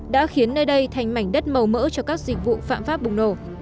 đã khiến nơi đây thành mảnh đất màu mỡ cho các dịch vụ phạm pháp bùng nổ